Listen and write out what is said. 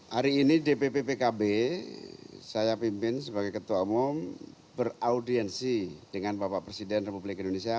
hari ini dpp pkb saya pimpin sebagai ketua umum beraudiensi dengan bapak presiden republik indonesia